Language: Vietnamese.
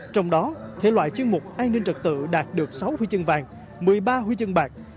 trong đó thể loại chuyên mục an ninh trật tự đạt được sáu huy chương vàng một mươi ba huy chương bạc